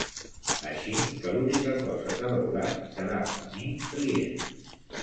Així que l'única cosa que veuràs serà a mi, rient.